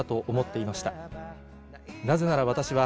「なぜなら私は」。